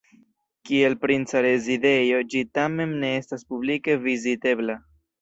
Kiel princa rezidejo ĝi tamen ne estas publike vizitebla.